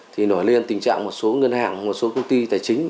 thì nổi lên tình trạng một số ngân hàng một số công ty tài chính